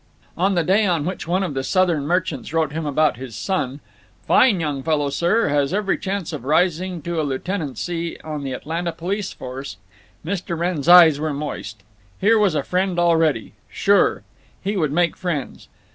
On the day on which one of the Southern merchants wrote him about his son—"fine young fellow, sir—has every chance of rising to a lieutenancy on the Atlanta police force"—Mr. Wrenn's eyes were moist. Here was a friend already. Sure. He would make friends.